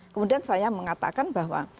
kemudian saya mengatakan bahwa